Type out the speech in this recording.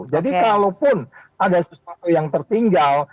jadi kalaupun ada sesuatu yang tertinggal